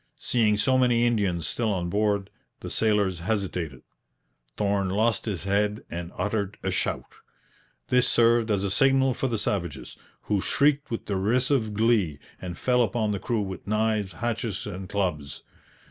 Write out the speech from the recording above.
Seeing so many Indians still on board, the sailors hesitated. Thorn lost his head and uttered a shout. This served as a signal for the savages, who shrieked with derisive glee and fell upon the crew with knives, hatchets, and clubs.